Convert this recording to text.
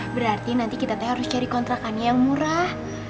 berarti nanti kita harus cari kontrakannya yang murah